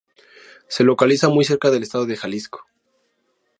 Se localiza muy cerca del estado de Jalisco.